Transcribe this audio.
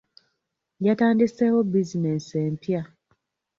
Yatandisewo bizinesi empya.